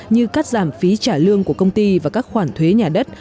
như cắt giảm phí trả lương của công ty và các khoản thuế nhà đất